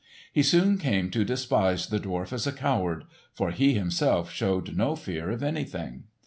He soon came to despise the dwarf as a coward, for he himself showed no fear of anything.